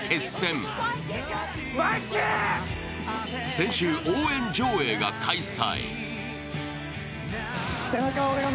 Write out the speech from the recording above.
先週、応援上映が開催。